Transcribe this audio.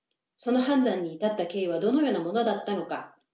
その判断に至った経緯はどのようなものだったのか？